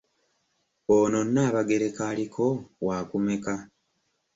Ono Nnaabagereka aliko waakumeka?